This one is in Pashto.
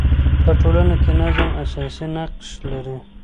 په ټولنه کي نظم اساسي نقش لري.